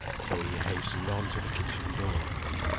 So he hastened on to the kitchen door.